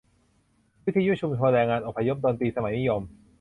วิทยุชุมชน-แรงงานอพยพ-ดนตรีสมัยนิยม